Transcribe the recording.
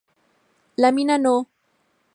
La mina No.